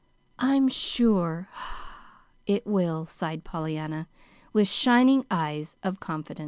"I'm sure it will," sighed Pollyanna, with shining eyes of confidence.